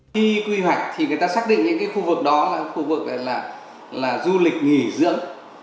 khi quy hoạch thì người ta xác định những khu vực đó là du lịch nghỉ dưỡng